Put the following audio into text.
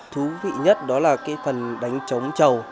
thú vị nhất đó là cái phần đánh trống trầu